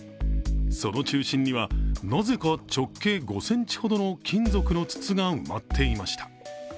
その中心には、なぜか直径５ｃｍほどの金属の筒が埋まっていました。